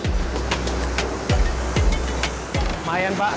saat proses peleburan atau pernis berlangsung